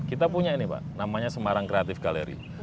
kita punya ini pak namanya semarang creative gallery